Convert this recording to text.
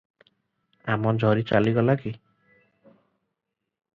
ଆମଝରୀ ଚାଲିଗଲା କି?